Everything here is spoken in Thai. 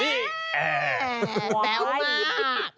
แซวมาก